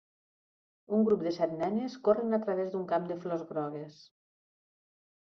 Un grup de set nenes corren a través d'un camp de flors grogues.